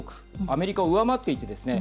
アメリカを上回っていてですね